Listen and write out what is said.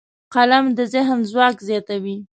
قلم د ذهن ځواک زیاتوي